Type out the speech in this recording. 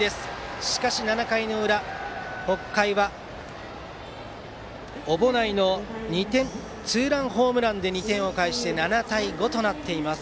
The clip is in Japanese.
しかし７回裏、北海は小保内のツーランホームランで２点を返して７対５となっています。